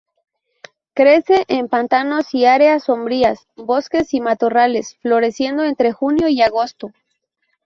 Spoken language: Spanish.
Crece en pantanos y áreas sombrías, bosques y matorrales, floreciendo entre junio y agosto.